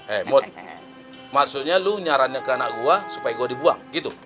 eh mut maksudnya lu nyarankan ke anak gua supaya gua dibuang gitu